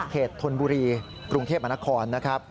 เขตทนบุรีกรุงเทพมนาคม